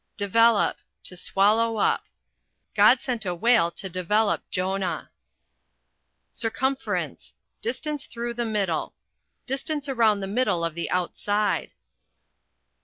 Develop To swallow up: God sent a whale to develop Jonah. Circumference Distance through the middle: Distance around the middle of the outside.